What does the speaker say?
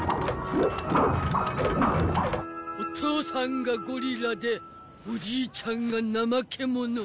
お父さんがゴリラでおじいちゃんがナマケモノ。